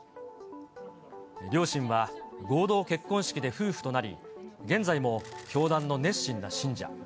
両親は合同結婚式で夫婦となり、現在も教団の熱心な信者。